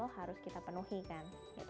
kalau mau harus kita penuhi kan